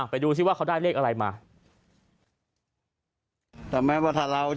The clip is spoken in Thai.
ไปดูซิว่าเขาได้เลขอะไรมา